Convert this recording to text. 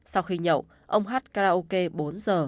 sau khi nhậu ông hát karaoke bốn giờ